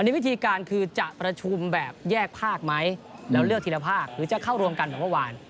นี่วิธีการคือจะประชุมแบบแยกภาคไหมแล้วเลือกทีละภาคหรือจะเข้ารวมกันแบบเมื่อวาน